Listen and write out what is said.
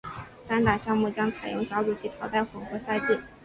单打项目将采用小组及淘汰混合赛制。